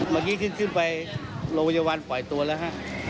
เมื่อกี้ขึ้นไปโรงพยาบาลปล่อยตัวแล้วฮะ